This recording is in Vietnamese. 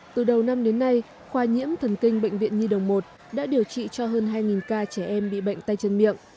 từ đầu năm đến nay khoa nhiễm thần kinh bệnh viện nhi đồng một đã điều trị cho hơn hai ca trẻ em bị bệnh tay chân miệng